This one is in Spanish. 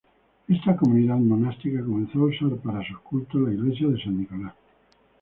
Esta comunidad monástica comenzó a usar para sus cultos la iglesia de San Nicolás.